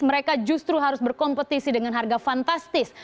mereka justru harus berkompetisi dengan harga fantastis